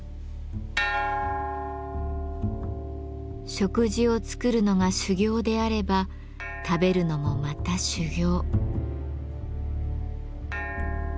食事を作るのが修行であれば食べるのもまた修行。